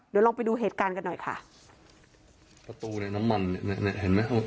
เดี๋ยวลองไปดูเหตุการณ์กันหน่อยค่ะประตูในน้ำมันเนี่ยเนี้ยเห็นไหม